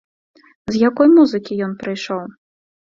З якой музыкі ён прыйшоў?